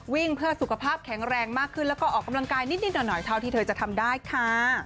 เพื่อสุขภาพแข็งแรงมากขึ้นแล้วก็ออกกำลังกายนิดหน่อยเท่าที่เธอจะทำได้ค่ะ